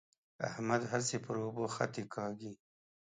احمد هسې پر اوبو خطې کاږي.